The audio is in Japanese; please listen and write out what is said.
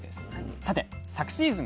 さて昨シーズン